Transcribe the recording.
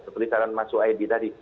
seperti cara mas uaidi tadi